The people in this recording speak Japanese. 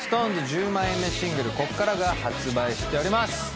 １０枚目シングル「こっから」が発売しております